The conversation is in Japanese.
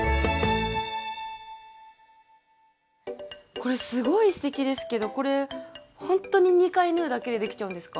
これすごいすてきですけどこれほんとに２回縫うだけでできちゃうんですか？